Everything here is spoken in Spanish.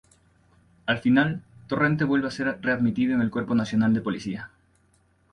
Al final, Torrente vuelve a ser readmitido en el Cuerpo Nacional de Policía.